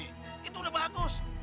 itu udah bagus